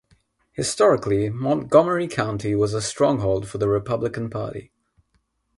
Historically, Montgomery County was a stronghold for the Republican Party.